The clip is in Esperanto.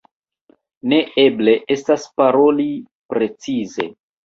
Neeble estas paroli precize.